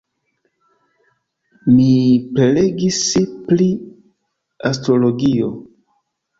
Mi prelegis pri Astrologio.